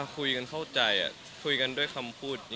คุยกันเข้าใจคุยกันด้วยคำพูด